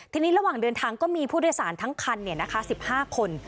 ทีนี้ระหว่างเดินทางก็มีผู้โดยสารทั้งคัน๑๕คน